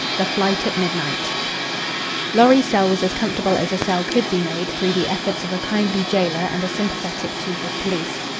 THE FLIGHT AT MIDNIGHT Lorry's cell was as comfortable as a cell could be made through the efforts of a kindly jailer and a sympathetic chief of police.